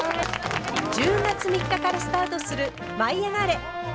１０月３日からスタートする「舞いあがれ！」。